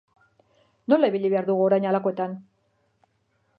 Nola ibili behar dugu orain halakoetan?